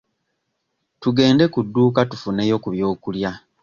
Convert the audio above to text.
Tugende ku dduuka tufuneyo ku byokulya.